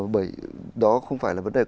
bởi đó không phải là vấn đề